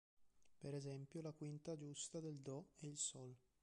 Per esempio, la quinta giusta del Do è il Sol.